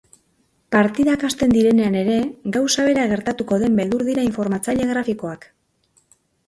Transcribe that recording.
Partidak hasten direnean ere gauza bera gertatuko den beldur dira informatzaile grafikoak.